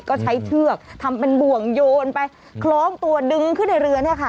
ก็ใช้เชือกทำเป็นบ่วงโยนไปคล้องตัวดึงขึ้นในเรือเนี่ยค่ะ